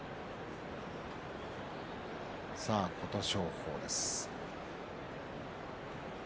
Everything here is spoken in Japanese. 琴勝峰です。